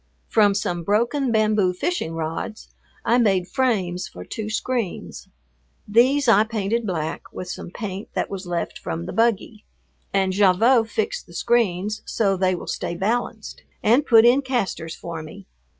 From some broken bamboo fishing rods I made frames for two screens. These I painted black with some paint that was left from the buggy, and Gavotte fixed the screens so they will stay balanced, and put in casters for me.